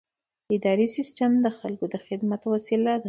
اداري سیستم د خلکو د خدمت وسیله ده.